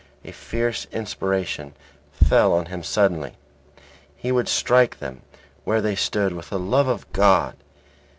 A fierce inspiration fell on him suddenly; he would strike them where they stood with the love of God.